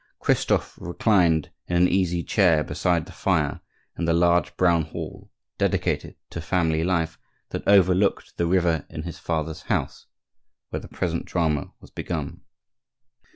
Christophe reclined in an easy chair beside the fire in the large brown hall, dedicated to family life, that overlooked the river in his father's house, where the present drama was begun.